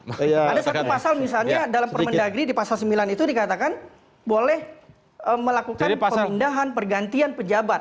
ada satu pasal misalnya dalam permendagri di pasal sembilan itu dikatakan boleh melakukan pemindahan pergantian pejabat